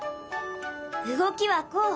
動きはこう。